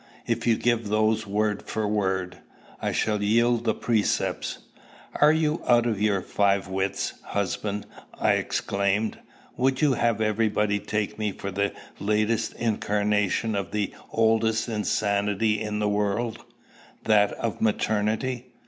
If you give those, word for word, I shall yield the precepts." "Are you out of your five wits, husband?" I exclaimed. "Would you have everybody take me for the latest incarnation of the oldest insanity in the world, that of maternity?